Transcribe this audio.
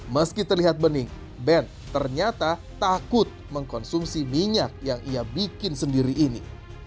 meski terlihat bening ben ternyata takut mengkonsumsi minyak yang ia bikin sendiri ini